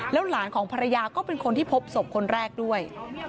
หลานของภรรยาก็เป็นคนที่พบศพคนแรกด้วย